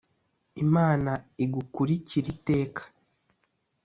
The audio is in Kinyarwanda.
imana igukurikire iteka,